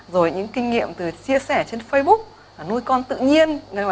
rồi những kinh nghiệm từ chia sẻ trên facebook nuôi con tự nhiên